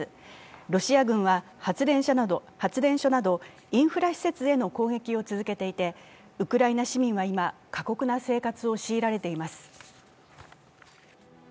ロシア軍は発電所などインフラ施設への攻撃を続けていてウクライナ市民は今、過酷な生活を強いられています。